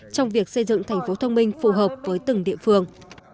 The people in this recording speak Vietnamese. trong việc xây dựng thành phố thông minh phù hợp với từng địa phương